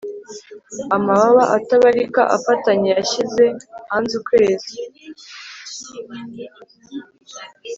Amababa atabarika afatanye yashyize hanze ukwezi